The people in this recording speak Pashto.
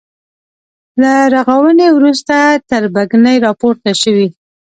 له رغاونې وروسته تربګنۍ راپورته شوې.